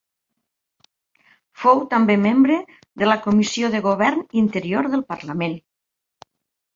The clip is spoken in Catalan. Fou també membre de la Comissió de Govern Interior del Parlament.